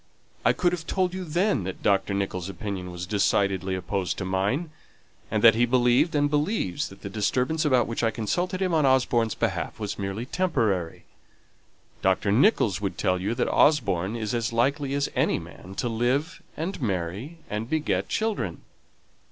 I could have told you then that Dr. Nicholls' opinion was decidedly opposed to mine, and that he believed that the disturbance about which I consulted him on Osborne's behalf was merely temporary. Dr. Nicholls would tell you that Osborne is as likely as any man to live and marry and beget children."